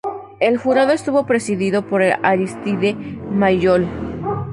El jurado estuvo presidido por Aristide Maillol.